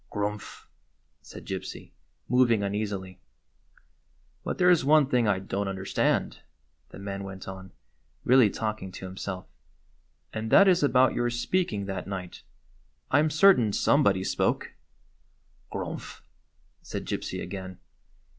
"Grumph!" said Gypsy, moving uneasily. 98 PLANS FOR A JOURNEY "But there is one tiling I don't understand,'' the man went on, really talking to himself, "and that is about your speaking that night. I 'm certain somebody spoke." " Grumph !" said Gypsy again.